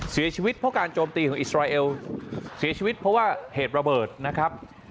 เสียชีวิตเพราะการโจมตีของอิสราเอลเสียชีวิตเพราะว่าเหตุระเบิดนะครับ